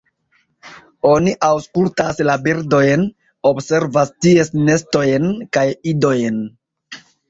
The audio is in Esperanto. Oni aŭskultas la birdojn, observas ties nestojn kaj idojn.